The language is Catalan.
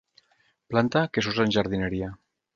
Planta que s'usa en jardineria.